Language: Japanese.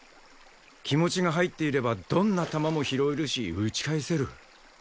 気持ちが入っていればどんな球も拾えるし打ち返せる。